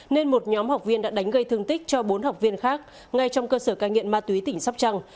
nên một nhóm học viên đã đánh gây thương tích cho bốn học viên khác ngay trong cơ sở cai nghiện ma túy tỉnh sóc trăng